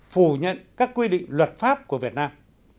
phủ nhận các quy định luật pháp của việt nam